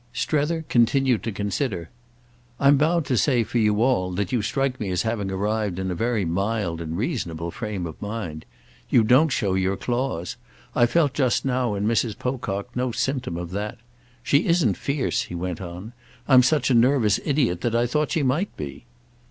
Strether continued to consider. "I'm bound to say for you all that you strike me as having arrived in a very mild and reasonable frame of mind. You don't show your claws. I felt just now in Mrs. Pocock no symptom of that. She isn't fierce," he went on. "I'm such a nervous idiot that I thought she might be."